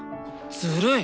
ずるい！